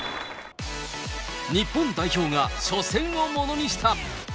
日本代表が初戦をものにした。